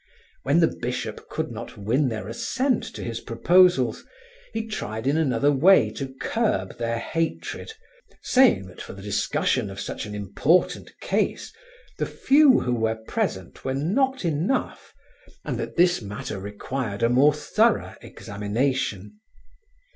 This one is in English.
When the bishop could not win their assent to his proposals, he tried in another way to curb their hatred, saying that for the discussion of such an important case the few who were present were not enough, and that this matter required a more thorough examination.